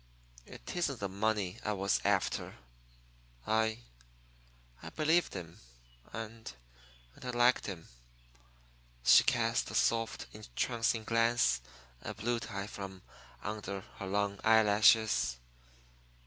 It isn't the money I was after. I I believed him and and I liked him." She cast a soft, entrancing glance at Blue Tie from under her long eyelashes.